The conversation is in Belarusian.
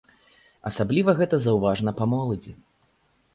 Асабліва гэта заўважна па моладзі.